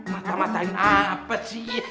mata matain apa sih